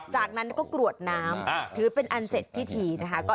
จากนั้นก็กรวดน้ำถือเป็นอันเสร็จพิธีนะคะ